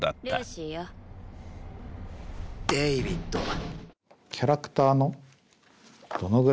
デイビッドだ。